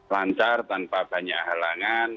lancar tanpa banyak halangan